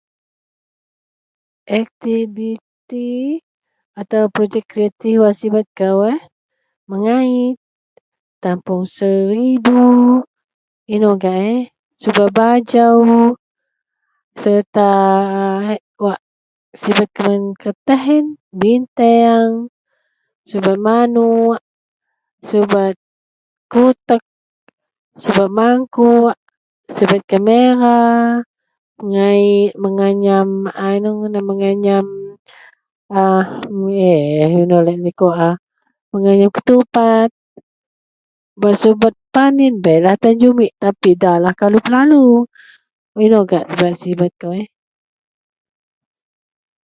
Aktiviti atau projek kretip wak sibet kou eh, mengait, tampuong seribu, inou gak ehh, subet bajou sereta a wak heh wak sibet kuman keretih yen, binteang, subet manouk, subet kuteak, subet mangkuk, subet kamera, mengei, menganyam inou ngadan menganyam eheh, inou ngadan laei likou a menganyam ketupat. Bak subet pan yen bei tan jumit tapi ndalah kalup lalu. Wak inou gak bak sibet kou eheh